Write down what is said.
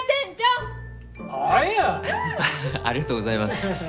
ありがとうございます。